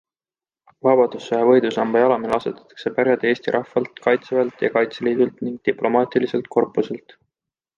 Vabadussõja võidusamba jalamile asetatakse pärjad eesti rahvalt, kaitseväelt ja Kaitseliidult ning diplomaatiliselt korpuselt.